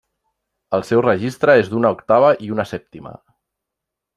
El seu registre és d'una octava i una sèptima.